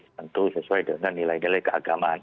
tentu sesuai dengan nilai nilai keagamaan